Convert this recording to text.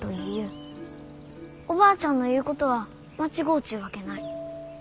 おばあちゃんの言うことは間違うちゅうわけない。